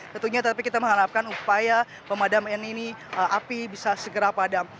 tentunya tapi kita mengharapkan upaya pemadaman ini api bisa segera padam